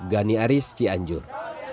gani aris cianjur